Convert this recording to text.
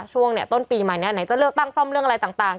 ช่วงเนี่ยต้นปีมาเนี่ยไหนจะเลือกตั้งซ่อมเรื่องอะไรต่าง